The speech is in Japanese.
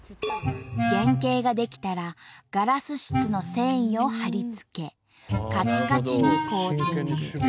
原型が出来たらガラス質の繊維を貼り付けカチカチにコーティング。